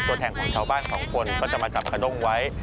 ตัวแทนของชาวบ้านสองคนก็จะมาจับขด้งไว้